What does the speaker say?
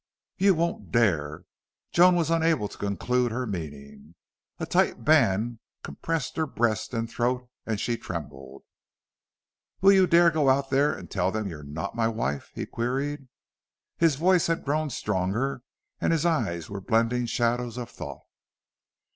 "You won't dare !" Joan was unable to conclude her meaning. A tight band compressed her breast and throat, and she trembled. "Will you dare go out there and tell them you're NOT my wife?" he queried. His voice had grown stronger and his eyes were blending shadows of thought.